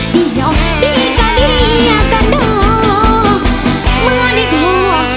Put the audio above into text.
ถ้าเธอเศร้าสดสบายสบายจะหัวป่า